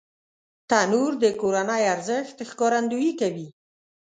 تنور د کورنی ارزښت ښکارندويي کوي